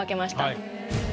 はい。